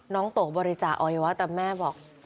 โตบริจาคอวัยวะแต่แม่บอก